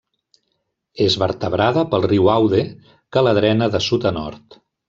És vertebrada pel riu Aude, que la drena de sud a nord.